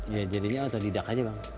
ya jadinya otodidak aja bang